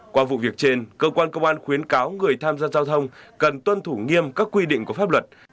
qua vụ việc trên cơ quan công an khuyến cáo người tham gia giao thông cần tuân thủ nghiêm các quy định của pháp luật